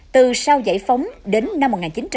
từ sau giải phóng đến năm một nghìn chín trăm chín mươi chín